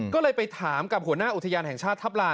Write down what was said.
ก็เลยไปถามกับหัวหน้าอุทยานแห่งชาติทัพลา